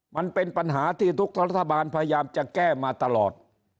มันเป็นปัญหาที่ทุกรัฐบาลพยายามจะแก้มาตลอด